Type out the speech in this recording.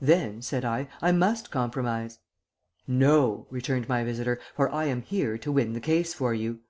"'Then,' said I, 'I must compromise.' "'No,' returned my visitor, 'for I am here to win the case for you.'